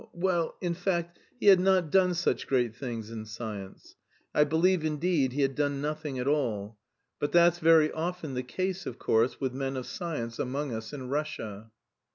well, in fact he had not done such great things in science. I believe indeed he had done nothing at all. But that's very often the case, of course, with men of science among us in Russia.